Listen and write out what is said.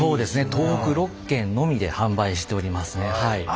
東北６県のみで販売しておりますね。